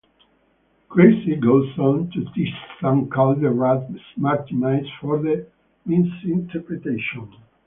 Krazy goes on to tease and call the rat "smarty mice" for the misinterpretation.